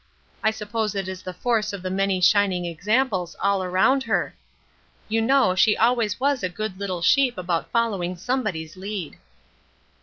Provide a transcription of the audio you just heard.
I suppose it is the force of the many shining examples all around her. You know she always was a good little sheep about following somebody's lead.